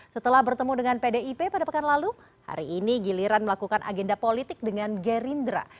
setelah bertemu dengan pdip pada pekan lalu hari ini giliran melakukan agenda politik dengan gerindra